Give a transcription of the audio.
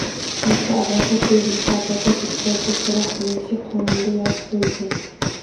Kulishdi. Advokat berilishi, advokat ishtirokida so‘roq qilinishi qonunda yozib qo‘yilgan.